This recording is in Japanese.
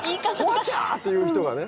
「ホアチャー！」って言う人がね。